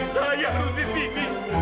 saya harus disini